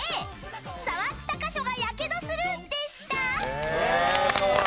触った箇所が火傷する、でした！